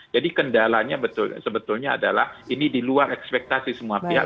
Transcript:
jadi kendalanya sebetulnya adalah ini diluar ekspektasi semua pihak